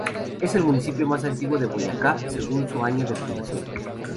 Es el municipio más antiguo de Boyacá según su año de fundación.